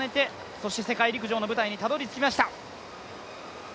そして世界陸上の舞台にたどり着きました。